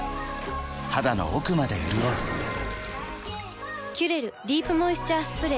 肌の奥まで潤う「キュレルディープモイスチャースプレー」